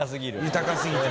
豊かすぎて。